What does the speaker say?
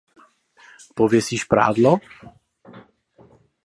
Pověsíš prádlo?